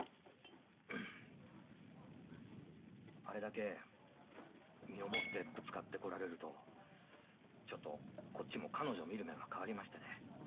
あれだけ身をもってぶつかってこられるとちょっとこっちも彼女見る目が変わりましてね